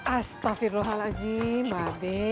astagfirullahaladzim mbak be